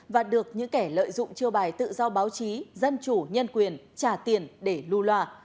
và được những kẻ lợi dụng chiêu bài tự do báo chí dân chủ nhân quyền trả tiền để lưu loà